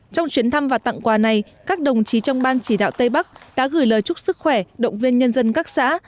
trong chuyến thăm và tặng quà này các đồng chí trong ban chỉ đạo tây bắc đã gửi lời chúc sức khỏe động viên nhân dân các xã